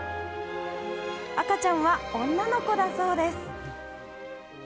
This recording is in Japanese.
赤ちゃんは女の子だそうです。